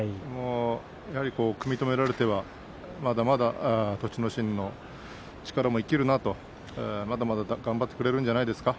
やはり組み止められてはまだまだ栃ノ心の力も生きるなと、まだまだ頑張ってくれるんじゃないですか。